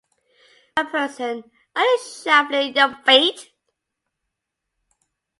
Macpherson, are you shuffling your feet?